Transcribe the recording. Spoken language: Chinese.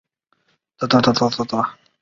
但汉街也有很多现代西式的建筑。